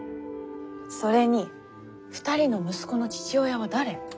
それに２人の息子の父親は誰？